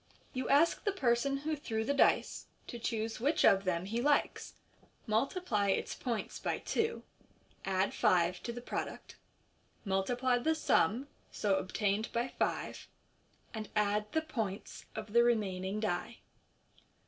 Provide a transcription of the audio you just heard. You ask the person who threw the dice to choose which of them he likes, multiply its points by two, add five to the product, multiply the sum so obtained by five, and add die points of the remaining die.